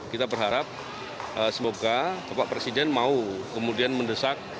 kita berharap semoga bapak presiden mau kemudian mendesak